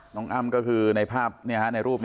น้องอ้ำก็คือในภาพในรูปนี้